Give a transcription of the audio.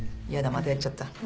またやっちゃった。